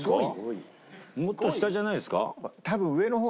もっと下じゃないですか？